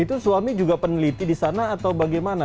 itu suami juga peneliti di sana atau bagaimana